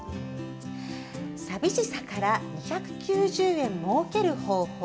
「寂しさから２９０円儲ける方法」